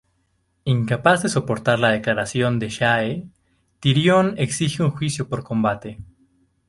Incapaz de soportar la declaración de Shae, Tyrion exige un juicio por combate.